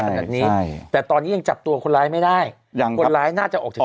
ขนาดนี้ใช่แต่ตอนนี้ยังจับตัวคนร้ายไม่ได้ยังคนร้ายน่าจะออกจาก